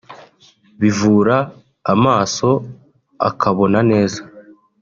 bivura amaso akabona neza